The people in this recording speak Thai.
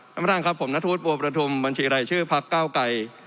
ท่านประธานครับผมนทรุษบัวประธุมบัญชีไรชื่อพรรคเก้าไก่